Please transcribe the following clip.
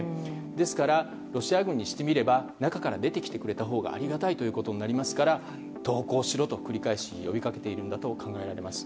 ですから、ロシア軍にしてみれば中から出てきてくれたほうがありがたいとなりますから投降しろと繰り返し呼び掛けているんだと考えられます。